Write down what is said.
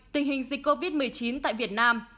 tình hình dịch covid một mươi chín tại việt nam